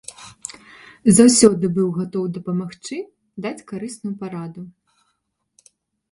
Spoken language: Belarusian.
Заўсёды быў гатовы дапамагчы, даць карысную параду.